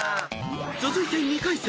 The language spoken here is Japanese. ［続いて２回戦。